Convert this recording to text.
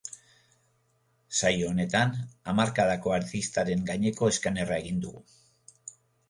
Saio honetan, hamarkadako artistaren gaineko eskanerra egin dugu.